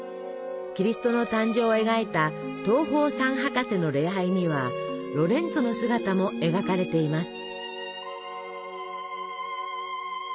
キリストの誕生を描いた「東方三博士の礼拝」にはロレンツォの姿も描かれています。